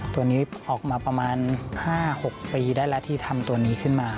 ตัวนี้ออกมาประมาณ๕๖ปีได้แล้วที่ทำตัวนี้ขึ้นมา